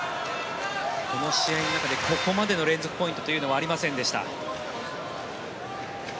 この試合の中でここまでの連続ポイントというのはありませんでした。